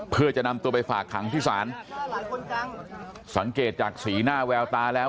เพื่อจะนำตัวไปฝากขังที่ศาลสังเกตจากสีหน้าแววตาแล้ว